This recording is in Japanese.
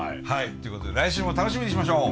ということで来週も楽しみにしましょう！